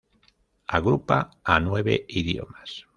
Agrupa a nueve idiomas.